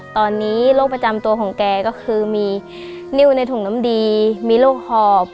ตอนนี้โรคประจำตัวของแกก็คือมีนิ้วในถุงน้ำดีมีโรคหอบ